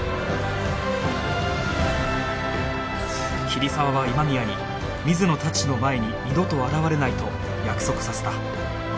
桐沢は今宮に水野たちの前に二度と現れないと約束させた